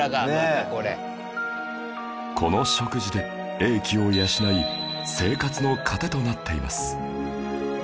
この食事で英気を養い生活の糧となっています